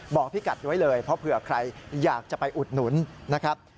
พี่กัดไว้เลยเพราะเผื่อใครอยากจะไปอุดหนุนนะครับ